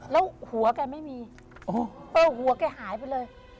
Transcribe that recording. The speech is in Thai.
แล้วหัวแกไม่มีหัวแกหายไปเลย